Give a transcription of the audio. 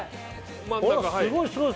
すごいすごい！